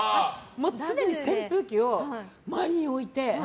常に扇風機を周りに置いて。